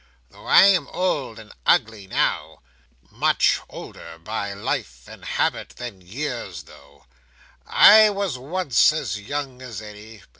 "Though I am old and ugly now,—much older by life and habit than years though,—I was once as young as any.